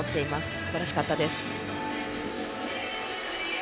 すばらしかったです。